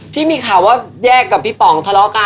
ที่มีข่าวว่าแยกกับพี่ป๋องทะเลาะกัน